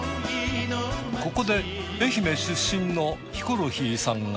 ここで愛媛出身のヒコロヒーさんが。